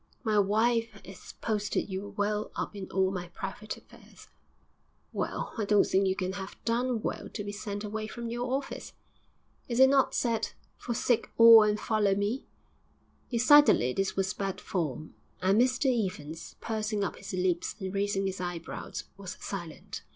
'My wife 'as posted you well up in all my private affairs.' 'Well, I don't think you can have done well to be sent away from your office.' 'Is it not said: "Forsake all and follow me"?' Decidedly this was bad form, and Mr Evans, pursing up his lips and raising his eyebrows, was silent.